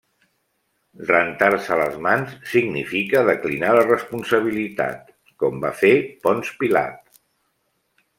Rentar-se les mans significa declinar la responsabilitat, com va fer Ponç Pilat.